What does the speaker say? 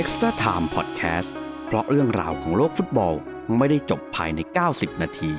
สวัสดีครับ